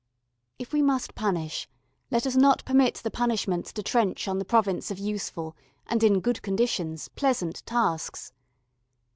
If we must punish, let us not permit the punishments to trench on the province of useful and, in good conditions, pleasant tasks.